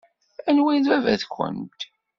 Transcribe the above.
Anwa ay d baba-twent?